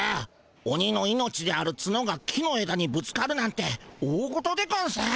オニの命であるツノが木のえだにぶつかるなんておおごとでゴンス。